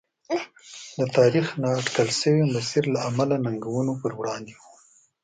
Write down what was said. د تاریخ نااټکل شوي مسیر له امله ننګونو پر وړاندې و.